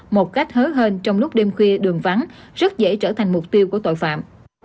một cách hớ hên trong lúc đêm khuya đường vắng rất dễ trở thành mục tiêu của tội phạm